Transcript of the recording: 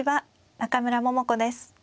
中村桃子です。